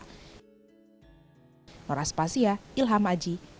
hai noras pasia ilham ajiwala